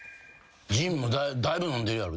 陣もだいぶ飲んでるやろ。